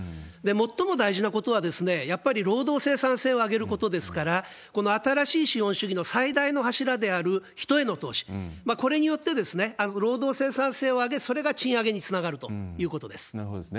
最も大事なことは、やっぱり労働生産性を上げることですから、この新しい資本主義の最大の柱である人への投資、これによって、労働生産性を上げ、それが賃上げにつながるということです。